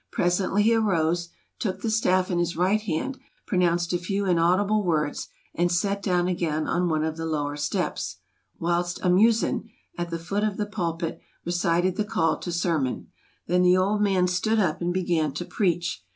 Presently he arose, took the staff in his right hand, pro nounced a few inaudible words, and sat down again on one of the lower steps, whilst a Muezzin, at the foot of the pulpit, recited the call to sermon. Then the old man stood up and began to preach.